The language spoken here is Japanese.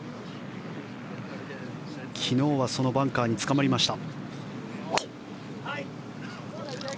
昨日はそのバンカーにつかまりました。